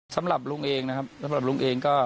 สำหรับลุงเองนะครับสำหรับลุงเองก็